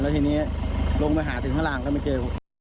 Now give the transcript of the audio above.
แล้วทีนี้ลงไปหาถึงข้างล่างก็ไม่เจอ